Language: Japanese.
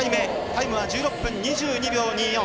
タイムは１６分２２秒２４。